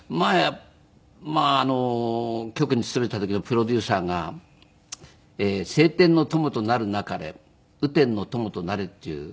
まあ局に勤めていた時のプロデューサーが「晴天の友となるなかれ雨天の友となれ」っていう。